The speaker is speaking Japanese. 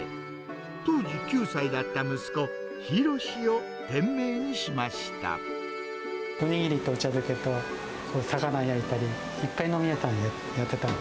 当時９歳だった息子、お握りとお茶漬けと、魚を焼いたり、飲み屋さんをやってて。